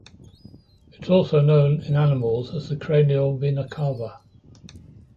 It's also known in animals as the cranial vena cava.